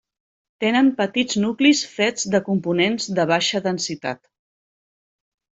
Tenen petits nuclis fets de components de baixa densitat.